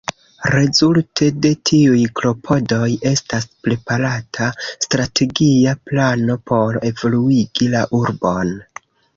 Rezulte de tiuj klopodoj estas preparata strategia plano por evoluigi la urbon.